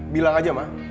bilang aja ma